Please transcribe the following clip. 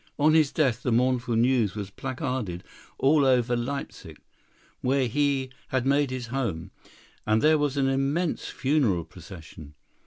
On his death the mournful news was placarded all over Leipsic, where he had made his home, and there was an immense funeral procession.